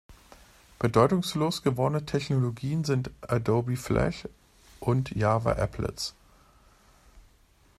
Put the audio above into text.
Bedeutungslos gewordene Technologien sind Adobe Flash und Java-Applets.